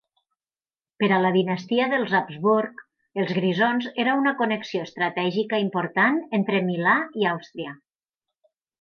Per a la dinastia dels Habsburg, els Grisons era una connexió estratègica important entre Milà i Àustria.